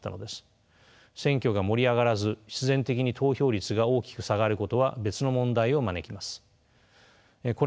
選挙が盛り上がらず必然的に投票率が大きく下がることは別の問題を招きます。